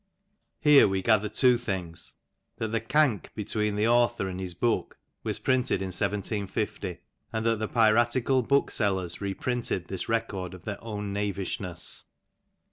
Here we gather two things — that the Cank between the author and his book was printed in 1750, and that the piratical booksellers reprinted this record of their own knavishness.